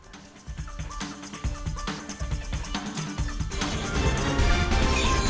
kami akan segera ke usha ajin